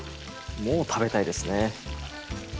もう食べたいですね。